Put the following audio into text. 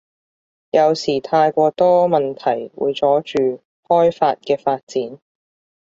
有時太過多問題會阻住開法嘅發展